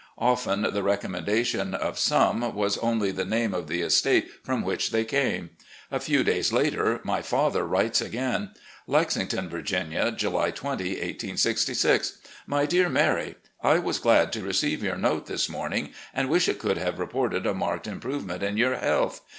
Often the recommendation of some was only the name of the estate from which they came. A few days later, my father writes again; "Lexington, Virginia, July 20, 1866. " My Dear Mary: I was glad to receive your note this morning, and wish it could have reported a marked improvement in your health.